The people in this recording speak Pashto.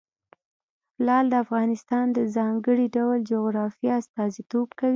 لعل د افغانستان د ځانګړي ډول جغرافیه استازیتوب کوي.